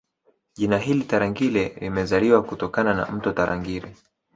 Jina hili Tarangire limezaliwa kutokana na mto Tarangire